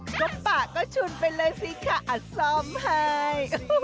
ก็ปากก็ชุนไปเลยสิค่ะอัดซ่อมให้